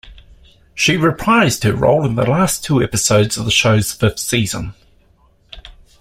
She reprised her role in the last two episodes of the show's fifth season.